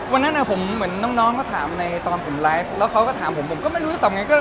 วันนั้นผมเหมือนน้องเขาถามในตอนผมไลฟ์แล้วเขาก็ถามผมผมก็ไม่รู้จะตอบไง